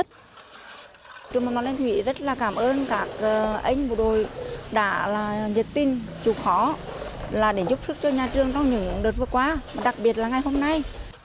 trường mầm non lê thủy rất là cảm ơn các anh bộ đội đã nhiệt tin chịu khó là để giúp sức cho nhà trường trong những đợt vừa qua và đặc biệt là ngày hôm nay